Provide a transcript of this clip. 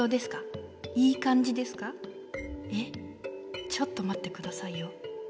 えっちょっと待ってくださいよ。